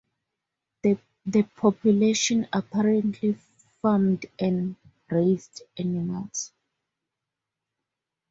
The population apparently farmed and raised animals.